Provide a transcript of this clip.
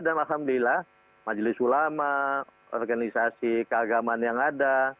dan alhamdulillah majelis ulama organisasi keagaman yang ada